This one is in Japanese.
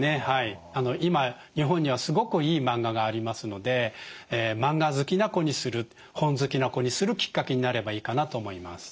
今日本にはすごくいいマンガがありますのでマンガ好きな子にする本好きな子にするきっかけになればいいかなと思います。